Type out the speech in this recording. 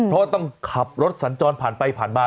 เพราะต้องขับรถสัญจรผ่านไปผ่านมา